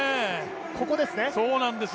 ここですね。